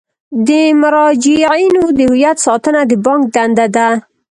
د مراجعینو د هویت ساتنه د بانک دنده ده.